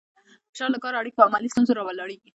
فشار له کار، اړیکو او مالي ستونزو راولاړېږي.